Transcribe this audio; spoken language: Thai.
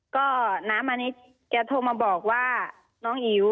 ก็น้ามานิดแกโทรมาบอกว่าน้องอิ๋ว